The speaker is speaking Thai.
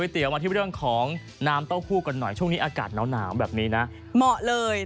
เดี๋ยววันหลังไปละจะบอก